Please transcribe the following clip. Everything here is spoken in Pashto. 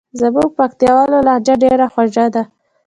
زموږ پکتیکاوالو لهجه ډېره خوژه ده.